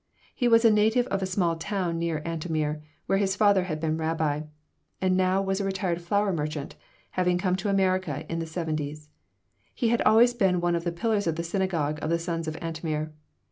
He was a native of a small town near Antomir, where his father had been rabbi, and was now a retired flour merchant, having come to America in the seventies. He had always been one of the pillars of the Synagogue of the Sons of Antomir.